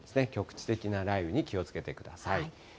局地的な雷雨に気をつけてください。